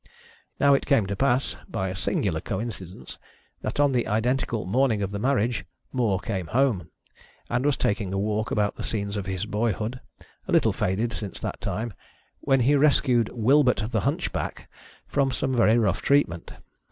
Now it came to pass, by a singular coincidence, that on the identical morning of the marriage, More came home, and was taking a walk about the scenes of his boyhood — a little faded since that time — when he rescued " Wilbert the Hunchback " from some very rough treatment.